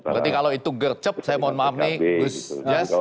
berarti kalau itu gercep saya mohon maaf nih gusjas